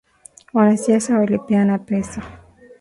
Wanasiasa walipeana pesa.